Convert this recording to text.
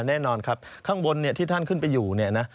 แน่นอนครับข้างบนที่ท่านขึ้นไปอยู่เนี่ยนะ